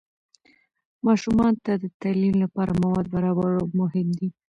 ماشومان ته د تعلیم لپاره مواد برابرول مهم دي.